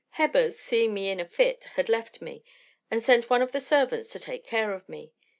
"Hebbers, seeing me in a fit, had left me, and sent one of the servants to take care of me.